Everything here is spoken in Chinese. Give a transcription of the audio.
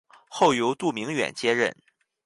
后由杜明远接任。